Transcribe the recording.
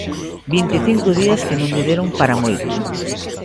Vinte e cinco días que non lle deron para moito.